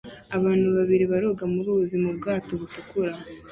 Abantu babiri baroga mu ruzi mu bwato butukura